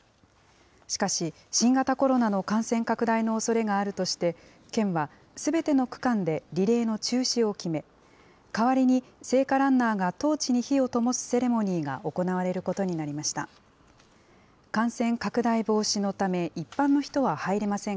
しかし、新型コロナの感染拡大のおそれがあるとして、県は、すべての区間でリレーの中止を決め、代わりに、聖火ランナーがトーチに火をともすセレモニーが行われることになりました。